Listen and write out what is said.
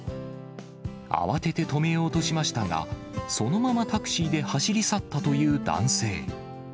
慌てて止めようとしましたが、そのままタクシーで走り去ったという男性。